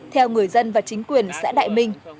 theo người dân và chính quyền